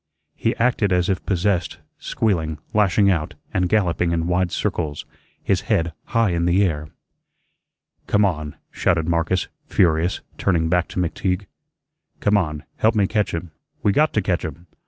He acted as if possessed, squealing, lashing out, and galloping in wide circles, his head high in the air. "Come on," shouted Marcus, furious, turning back to McTeague. "Come on, help me catch him. We got to catch him.